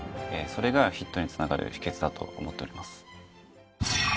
それがヒットにつながる秘訣だと思っております。